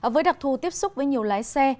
với đặc thù tiếp xúc với nhiều lái xe